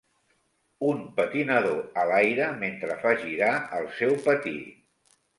Un patinador a l'aire mentre fa girar el seu patí